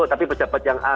tapi pejabat yang lain